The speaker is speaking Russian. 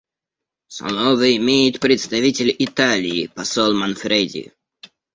Слово имеет представитель Италии посол Манфреди.